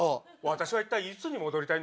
私は一体いつに戻りたいんだ。